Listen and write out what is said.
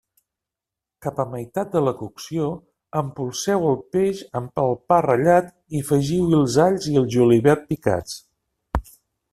Cap a la meitat de la cocció, empolseu el peix amb el pa ratllat i afegiu-hi els alls i el julivert picats.